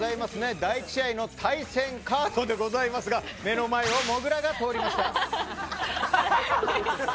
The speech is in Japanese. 第１試合の対戦カードでございますが目の前をもぐらが通りました。